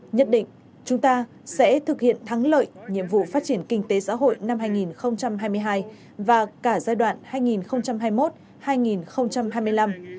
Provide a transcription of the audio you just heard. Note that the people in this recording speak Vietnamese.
nhất định chúng ta sẽ thực hiện thắng lợi nhiệm vụ phát triển kinh tế xã hội năm hai nghìn hai mươi hai và cả giai đoạn hai nghìn hai mươi một hai nghìn hai mươi năm